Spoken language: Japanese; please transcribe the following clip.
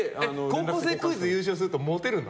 「高校生クイズ」優勝するとモテるんだ？